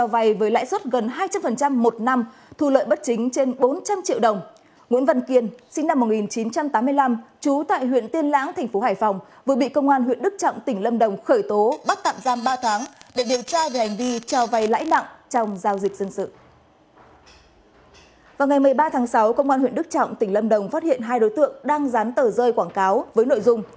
vào ngày một mươi ba tháng sáu công an huyện đức trọng tỉnh lâm đồng phát hiện hai đối tượng đang rán tờ rơi quảng cáo với nội dung